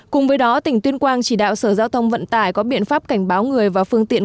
cùng với đó tỉnh tuyên quang chỉ đạo sở giao thông vận tải có biện pháp cảnh báo người và phương tiện